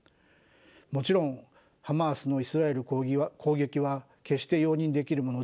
もちろんハマースのイスラエル攻撃は決して容認できるものではありません。